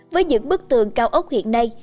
với những bức tường cao ốc hiện nay